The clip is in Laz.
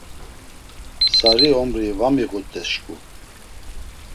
Sari ombri va miğut̆es şǩu.